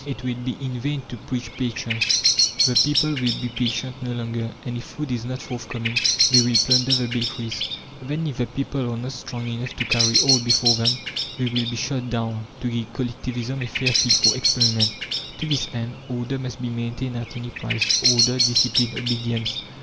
It will be in vain to preach patience. The people will be patient no longer, and if food is not forthcoming they will plunder the bakeries. Then, if the people are not strong enough to carry all before them, they will be shot down, to give Collectivism a fair field for experiment. To this end "order" must be maintained at any price order, discipline, obedience!